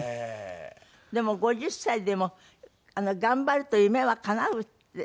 でも５０歳でも頑張ると夢はかなうって。